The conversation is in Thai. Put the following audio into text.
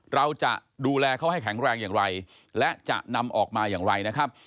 เราจะดูแลเขาให้แข็งแรงอย่างไรและจะนำออกมาอย่างไรนะครับ